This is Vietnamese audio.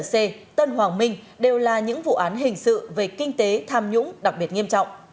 c tân hoàng minh đều là những vụ án hình sự về kinh tế tham nhũng đặc biệt nghiêm trọng